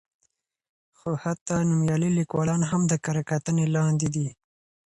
خو حتی نومیالي لیکوالان هم د کره کتنې لاندې دي.